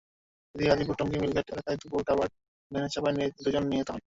এদিকে গাজীপুরের টঙ্গী মিলগেট এলাকায় দুপুরে কাভার্ড ভ্যানের চাপায় দুজন নিহত হন।